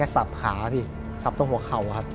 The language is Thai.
ซับขาซับตรงหัวเข่า